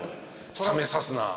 冷めさすなあ。